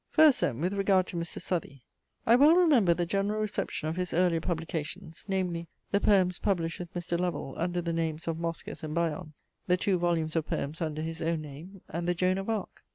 First then, with regard to Mr. Southey. I well remember the general reception of his earlier publications; namely, the poems published with Mr. Lovell under the names of Moschus and Bion; the two volumes of poems under his own name, and the Joan of Arc.